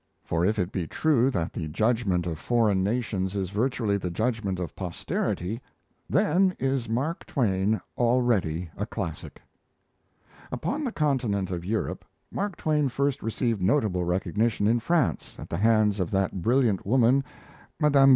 For if it be true that the judgment of foreign nations is virtually the judgment of posterity, then is Mark Twain already a classic. Upon the continent of Europe, Mark Twain first received notable recognition in France at the hands of that brilliant woman, Mme.